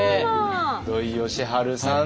土井善晴さんです。